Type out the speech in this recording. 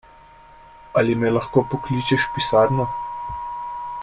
Ali me lahko pokličeš v pisarno?